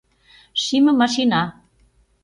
Шийме машина